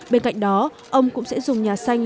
bên cạnh đó ông cũng sẽ dùng nhà xanh